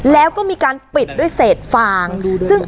แล้วก็ไปซ่อนไว้ในโครงเหล็กในคานหลังคาของโรงรถอีกทีนึง